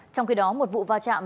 trong khi đó một vụ va chạm